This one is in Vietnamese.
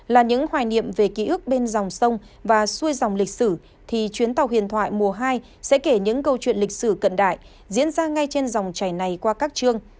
là những hoài niệm về ký ức bên dòng sông và xuôi dòng lịch sử thì chuyến tàu huyền thoại mùa hai sẽ kể những câu chuyện lịch sử cận đại diễn ra ngay trên dòng chảy này qua các chương